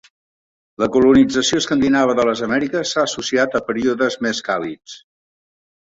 La colonització escandinava de les Amèriques s'ha associat a períodes més càlids.